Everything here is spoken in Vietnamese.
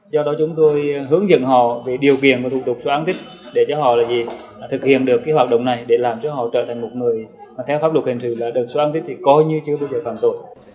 do đó chúng tôi hướng dừng họ về điều kiện và thủ tục xóa án thích để cho họ là gì thực hiện được cái hoạt động này để làm cho họ trở thành một người mà theo pháp luật hình sự là được xóa án thích thì coi như chưa bao giờ phạm tù